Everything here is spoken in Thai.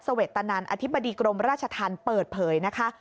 สวรรค์ตนานอธิบดีกรมราชธรรมน์เปิดเผยนะคะ